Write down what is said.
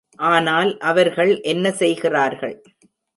ஆனால் அவர்கள் என்ன செய்கிறார்கள்.